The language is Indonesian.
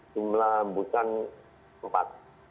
jumlah hembusan empat